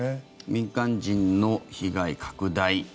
民間人の被害拡大。